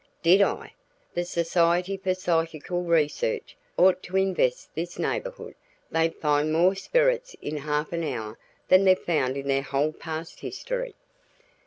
"Did I! The Society for Psychical Research ought to investigate this neighborhood. They'd find more spirits in half an hour than they've found in their whole past history."